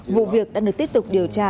vụ việc đã được tiếp tục điều tra